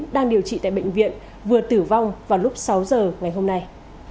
đang điều trị tại bệnh viện vừa tử vong vào lúc sáu giờ ngày hôm nay